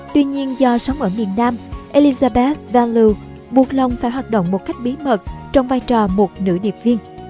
tuy nhiên do sống ở miền nam elizabeth gan loo buộc lòng phải hoạt động một cách bí mật trong vai trò một nữ điệp viên